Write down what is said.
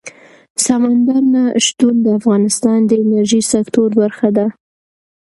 سمندر نه شتون د افغانستان د انرژۍ سکتور برخه ده.